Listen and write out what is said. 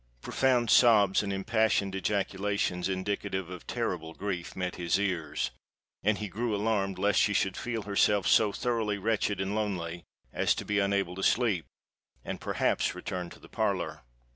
Profound sobs and impassioned ejaculations, indicative of terrible grief, met his ears; and he grew alarmed lest she should feel herself so thoroughly wretched and lonely as to be unable to sleep, and perhaps return to the parlour.